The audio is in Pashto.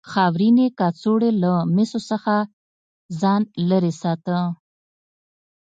خاورینې کڅوړې له مسو څخه ځان لرې ساته.